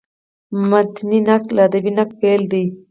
متني نقد له ادبي نقده بېل دﺉ.